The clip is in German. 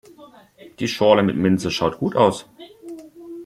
Die Schorle mit Minze schaut gut aus.